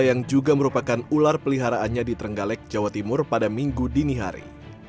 yang juga merupakan ular peliharaannya di trenggalek jawa timur pada minggu dini hari